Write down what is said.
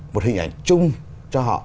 một hình ảnh chung cho họ